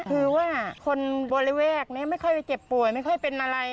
คือว่าคนบริเวณนี้ไม่ค่อยไปเจ็บป่วยไม่ค่อยเป็นอะไร